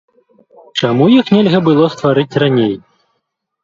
Чаму іх нельга было стварыць раней?